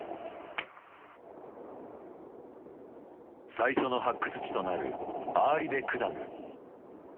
最初の発掘地となるアーリベクダグ。